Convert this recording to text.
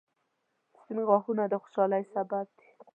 • سپین غاښونه د خوشحالۍ سبب دي